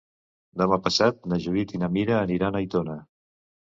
Demà passat na Judit i na Mira aniran a Aitona.